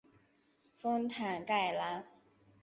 丰坦盖兰。